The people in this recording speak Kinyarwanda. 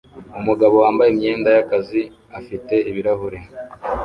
Umugabo wambaye imyenda y'akazi afite ibirahure